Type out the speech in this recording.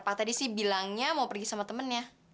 pak tadi sih bilangnya mau pergi sama temennya